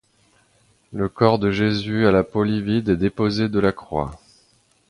Le corps de Jésus à la peau livide est déposé de la croix.